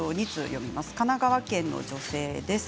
神奈川県の女性です。